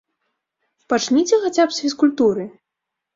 Пачніце хаця б з фізкультуры!